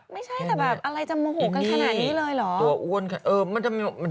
ไม่ใช่แต่แบบอะไรจะโมโหกันขนาดนี้เลยเหรอ